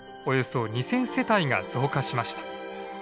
およそ２，０００世帯が増加しました。